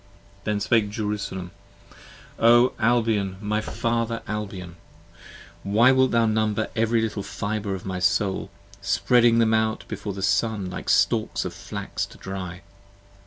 Then spake Jerusalem. O Albion! my Father Albion! 23 20 Why wilt them number every little fibre of my Soul, Spreading them out before the Sun like stalks of flax to dry?